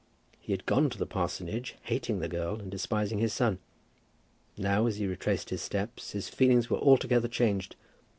He had gone to the parsonage, hating the girl, and despising his son. Now, as he retraced his steps, his feelings were altogether changed.